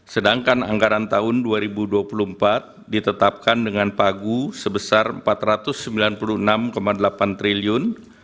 sedangkan anggaran tahun dua ribu dua puluh empat ditetapkan dengan pagu sebesar rp empat ratus sembilan puluh enam delapan triliun